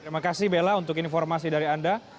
terima kasih bella untuk informasi dari anda